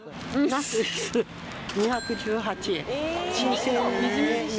・ナス２１８円